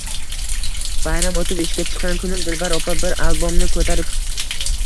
Bayram o`tib, ishga chiqqan kunim Dilbar opa bir albomni ko`tarib